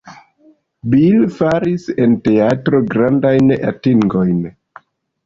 Bill faris en teatro grandajn atingojn.